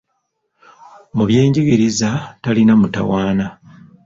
Mu byenjigiriza talina mutawaana.